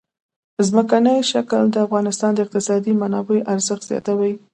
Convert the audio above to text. ځمکنی شکل د افغانستان د اقتصادي منابعو ارزښت زیاتوي.